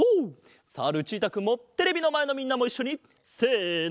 さあルチータくんもテレビのまえのみんなもいっしょにせの！